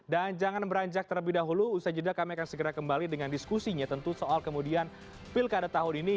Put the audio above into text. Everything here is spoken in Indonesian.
dan jangan beranjak terlebih dahulu usai jeda kami akan segera kembali dengan diskusinya tentu soal kemudian pilkada tahun ini